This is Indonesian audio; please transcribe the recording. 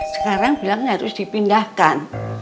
sekarang bilang harus dipindahkan